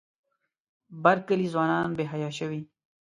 بر کلي ځوانان بې حیا شوي.